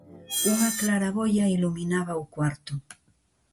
Unha claraboia iluminaba o cuarto.